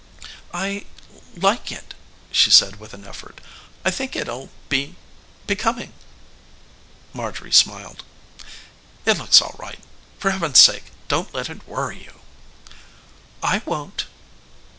"I like it," she said with an effort. "I think it'll be becoming." Marjorie smiled. "It looks all right. For heaven's sake, don't let it worry you!" "I won't."